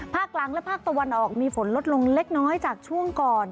กลางและภาคตะวันออกมีฝนลดลงเล็กน้อยจากช่วงก่อน